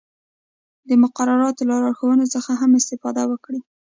د مقرراتو له لارښوونو څخه هم استفاده وکړئ.